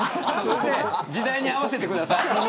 時代に合わせてください。